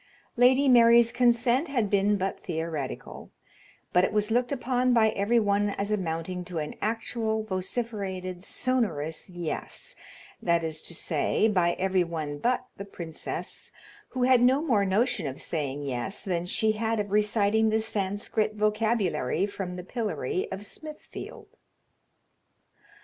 Lady Mary's consent had been but theoretical, but it was looked upon by every one as amounting to an actual, vociferated, sonorous "yes;" that is to say, by every one but the princess, who had no more notion of saying "yes" than she had of reciting the Sanscrit vocabulary from the pillory of Smithfield.